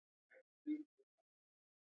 انار د افغانستان د موسم د بدلون سبب کېږي.